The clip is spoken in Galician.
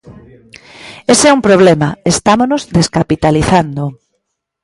Ese é un problema, estámonos descapitalizando.